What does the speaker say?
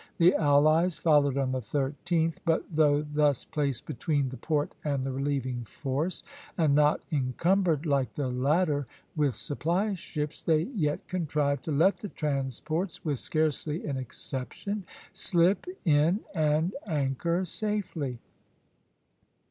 The allies followed on the 13th; but though thus placed between the port and the relieving force, and not encumbered, like the latter, with supply ships, they yet contrived to let the transports, with scarcely an exception, slip in and anchor safely.